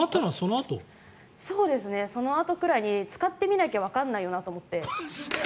そのあとくらいに使ってみなきゃわからないなと思って。